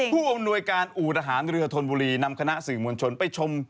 ผู้อำนวยการอูทหารเรือธนบุรีนำคณะสื่อมวลชนไปชม